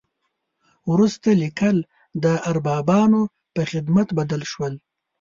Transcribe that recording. وروسته لیکل د اربابانو په خدمت بدل شول.